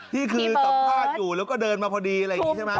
ที่คือสัมภาษณ์อยู่แล้วก็เดินมาพอดีอะไรอย่างนี้ใช่ไหม